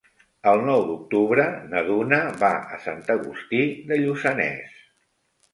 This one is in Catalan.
El nou d'octubre na Duna va a Sant Agustí de Lluçanès.